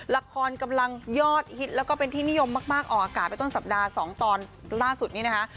ละครกำลังยอดฮิตแล้วก็เป็นที่นิยมมากออกอากาศไปต้นสัปดาห์๒ตอนล่าสุดนี้นะคะ